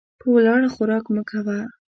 په ولاړه خوراک مه کوه .